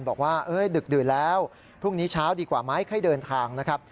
บอกว่าดึกดื่นแล้วพรุ่งนี้เช้าดีกว่าไหมให้เดินทางนะครับ